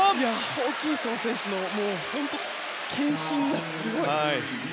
ホーキンソン選手の献身がすごい。